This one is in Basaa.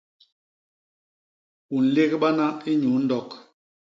U nlégbana inyuu ndok.